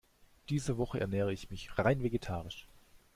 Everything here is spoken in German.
Diese Woche ernähre ich mich rein vegetarisch.